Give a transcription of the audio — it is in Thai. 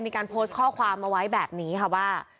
มีการโพสต์ข้อความเอาไว้แบบนี้ค่ะว่า